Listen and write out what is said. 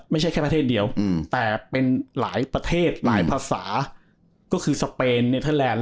ไม่ใช่แค่ประเทศเดียวแต่เป็นหลายประเทศหลายภาษาก็คือสเปนเนเทอร์แลนด์